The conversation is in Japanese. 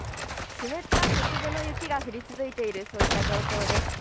湿った小粒の雪が降り続いているそういった状況です